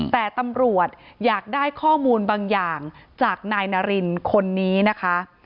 แต่ตำรวจอยากได้ข้อมูลบางอย่างจากนายนารินคนนี้นะคะ